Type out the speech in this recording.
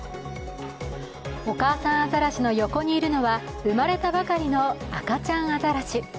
お母さんアザラシの横にいるのは産まれたばかりの赤ちゃんアザラシ。